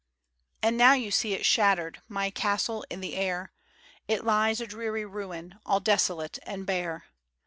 And now you see it shattered, My castle in the air: It lies a dreary ruin, All desolate and bare.